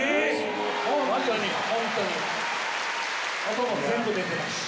音も全部出てたし。